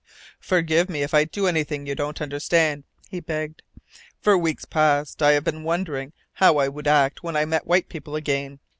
"Forgive me if I do anything you don't understand," he begged. "For weeks past I have been wondering how I would act when I met white people again.